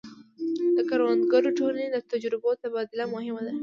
د کروندګرو ټولنې د تجربو تبادله مهمه ده.